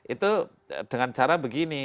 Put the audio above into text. itu dengan cara begini